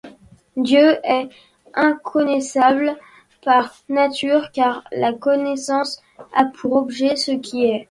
Dieu est inconnaissable par nature car la connaissance a pour objet ce qui est.